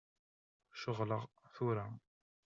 Ceɣleɣ tura.